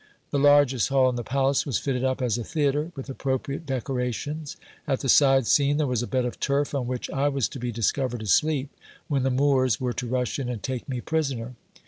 The largest hall in the palace was fitted up as a theatre, with appropriate decorations. At the side scene there was a bed of turf, on which I was to be discovered asleep, when the Moors were to rush in and take me i prisoner.